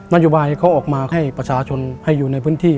นโยบายเขาออกมาให้ประชาชนให้อยู่ในพื้นที่